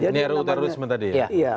nero terorisme tadi ya